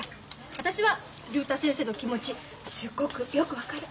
私は竜太先生の気持ちすっごくよく分かる。